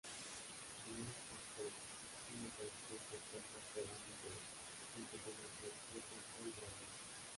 Non-Stop es una canción compuesta por Andy Bell junto con el productor Pascal Gabriel.